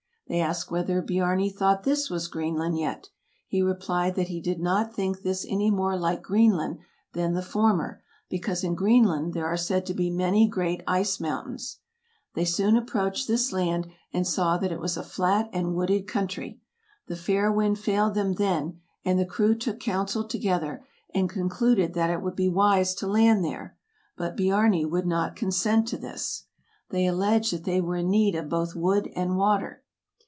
They asked whether Biarni thought this was Greenland yet. He replied that he did not think this any more like Greenland than the former, " because in Greenland there are said to be many great ice mountains." They soon approached this land, and saw that it was a flat and wooded country. The fair wind failed them then, and the crew took counsel together, and con cluded that it would be wise to land there, but Biarni would not consent to this. They alleged that they were in need of both wood and water.